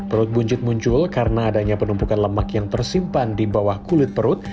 perut buncit muncul karena adanya penumpukan lemak yang tersimpan di bawah kulit perut